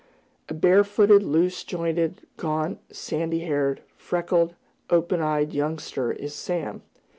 A barefooted, loose jointed, gaunt, sandy haired, freckled, open eyed youngster is Sam.